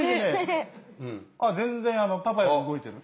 ああ全然パパより動いてる。